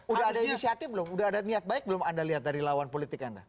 udah ada niat baik belum anda lihat dari lawan politik anda